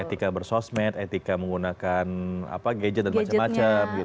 etika bersosmed etika menggunakan gadget dan macam macam